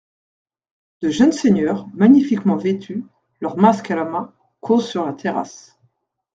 De jeunes seigneurs, magnifiquement vêtus, leurs masques à la main, causent sur la terrasse.